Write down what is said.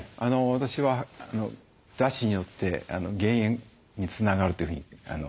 私はだしによって減塩につながるというふうにいろいろ経験しました。